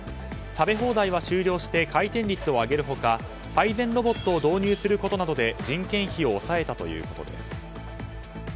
食べ放題は終了して回転率を上げる他配膳ロボットを導入することなどで人件費を抑えたということです。